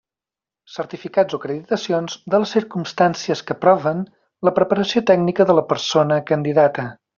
Certificats o acreditacions de les circumstàncies que proven la preparació tècnica de la persona candidata.